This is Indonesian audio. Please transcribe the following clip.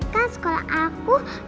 kan sekolah aku luas